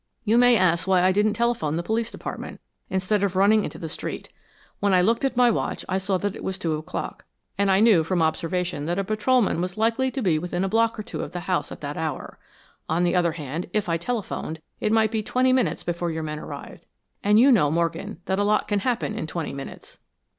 "You may ask why I didn't telephone the Police Department, instead of running into the street. When I looked at my watch I saw that it was two o'clock, and I knew from observation that a patrolman was likely to be within a block or two of the house at that hour. On the other hand, if I telephoned, it might be twenty minutes before your men arrived, and you know, Morgan, that a lot can happen in twenty minutes."